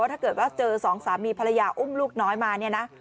ถ้าเกิดว่าเจอสองสามีภรรยาอุ้มลูกน้อยมาเนี่ยนะ